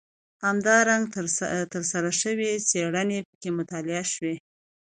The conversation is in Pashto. همدارنګه ترسره شوې څېړنې پکې مطالعه شوي.